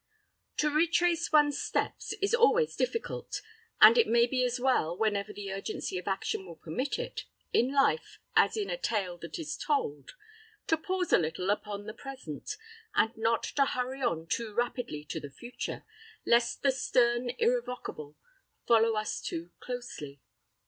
To retrace one's steps is always difficult; and it may be as well, whenever the urgency of action will permit it, in life, as in a tale that is told, to pause a little upon the present, and not to hurry on too rapidly to the future, lest the stern Irrevocable follow us too closely.